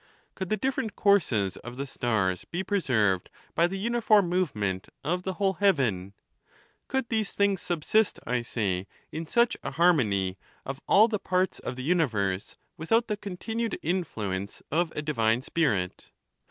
Could the different courses of the stars be preserved by the uniform movement of the whole heav en ? Could these things subsist, I say, in such a harmony of all the parts of the universe without the continued in fluence of a divine spirit?